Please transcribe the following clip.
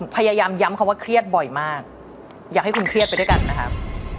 พยายามย้ำคำว่าเครียดบ่อยมากอยากให้คุณเครียดไปด้วยกันนะครับ